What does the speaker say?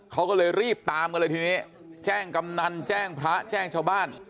เขาก็เลยรีบตามกันเลยทีนี้แจ้งกำนันแจ้งพระแจ้งชาวบ้าน